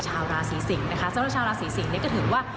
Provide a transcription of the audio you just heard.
ชาวราศีสิงศ์นะคะสำหรับชาวราศีสิงศ์เนี่ยก็ถือว่า